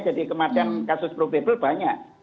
kematian kasus probable banyak